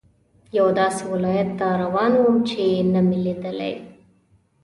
یوه داسې ولایت ته روان وم چې نه مې لیدلی.